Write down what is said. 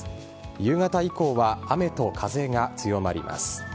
夕方以降は雨と風が強まります。